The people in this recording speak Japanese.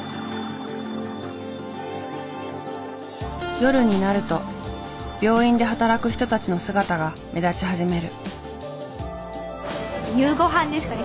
夜になると病院で働く人たちの姿が目立ち始める。